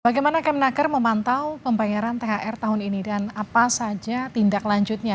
bagaimana kemenaker memantau pembayaran thr tahun ini dan apa saja tindak lanjutnya